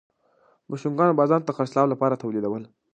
بوشونګانو بازار ته د خرڅلاو لپاره تولیدول.